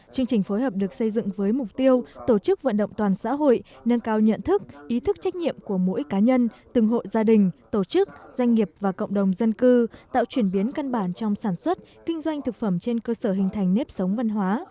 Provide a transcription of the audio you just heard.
chương trình phối hợp được xây dựng với mục tiêu tổ chức vận động toàn xã hội nâng cao nhận thức ý thức trách nhiệm của mỗi cá nhân từng hội gia đình tổ chức doanh nghiệp và cộng đồng dân cư tạo chuyển biến căn bản trong sản xuất kinh doanh thực phẩm trên cơ sở hình thành nếp sống văn hóa